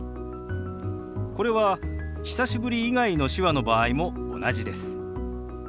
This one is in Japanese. これは「久しぶり」以外の手話の場合も同じです。